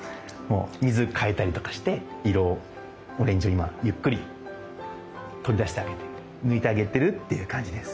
水替えたりとかして色オレンジを今ゆっくり取り出してあげて抜いてあげてるっていう感じです。